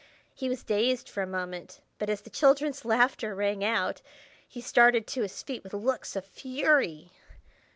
He was dazed for a moment, but as the children's laughter rang out, he started to his feet with looks of fury.